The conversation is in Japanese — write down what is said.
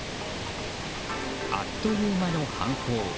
あっという間の犯行。